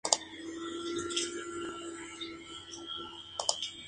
Desde entonces estuvo ligada al Imperio y más tarde a Austria.